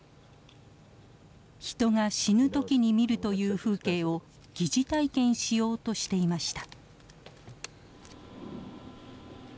人が死ぬ時に見るという風景を擬似体験しようとしていました。